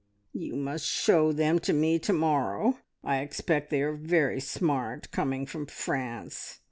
"You must show them to me to morrow. I expect they are very smart coming from France.